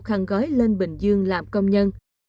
khăn gói lên bình dương làm công nhân